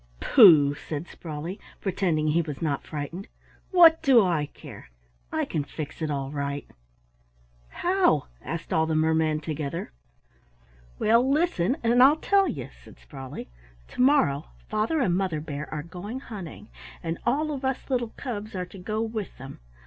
"Pooh," said Sprawley, pretending he was not frightened, "what do I care? I can fix it all right." "How?" asked all the mermen together. "Well, listen, and I'll tell you," said Sprawley. "To morrow Father and Mother Bear are going hunting, and all of us little cubs are to go with them.